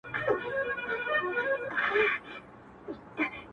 o داسي په ماښام سترگي راواړوه؛